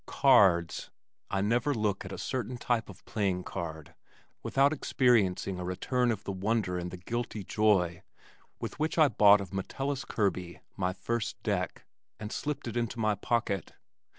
Cards! I never look at a certain type of playing card without experiencing a return of the wonder and the guilty joy with which I bought of Metellus Kirby my first "deck," and slipped it into my pocket.